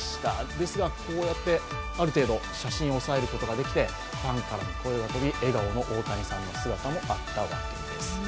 ですが、こうやってある程度写真を押さえることができてファンからの声援に笑顔の大谷さんの姿があったわけです。